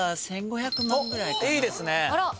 いいですね。